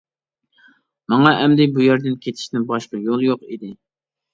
ماڭا ئەمدى بۇ يەردىن كېتىشتىن باشقا يول يوق ئىدى.